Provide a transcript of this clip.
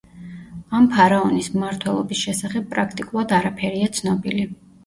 ამ ფარაონის მმართველობის შესახებ პრაქტიკულად არაფერია ცნობილი.